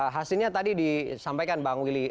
hasilnya tadi disampaikan bang willy